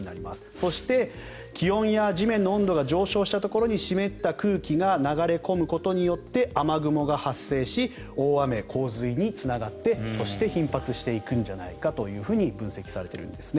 そして、気温や地面の温度が上昇したところに湿った空気が流れ込むことによって雨雲が発生し大雨、洪水につながってそして頻発していくんじゃないかと分析されているんですね。